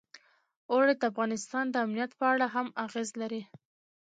اوړي د افغانستان د امنیت په اړه هم اغېز لري.